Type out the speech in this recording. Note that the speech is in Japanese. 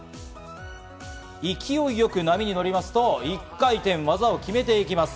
勢いよく波に乗りますと１回転、技を決めていきます。